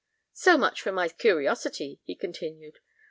"So much for my curiosity," he continued.